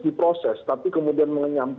di proses tapi kemudian